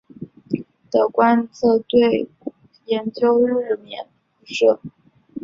的观测队研究日冕辐射。